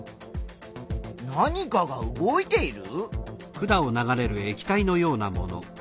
何かが動いている？